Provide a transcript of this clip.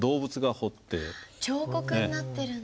彫刻になってるんだ。